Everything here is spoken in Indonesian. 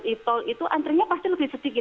ditol itu antrinya pasti lebih sedikit